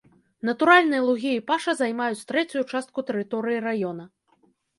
Натуральныя лугі і паша займаюць трэцюю частку тэрыторыі раёна.